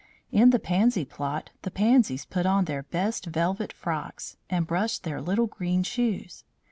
In the pansy plot the pansies put on their best velvet frocks, and brushed their little green shoes.